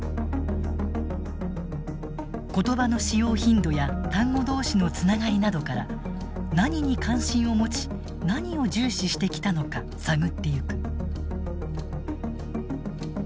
言葉の使用頻度や単語同士のつながりなどから何に関心を持ち何を重視してきたのか探っていく。